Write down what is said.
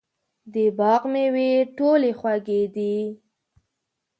د باغ مېوې ټولې خوږې دي.